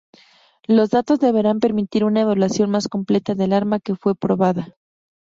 Los datos deberán permitir una evaluación más completa del arma que fue probada.